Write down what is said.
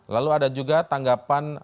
lalu ada juga tanggapan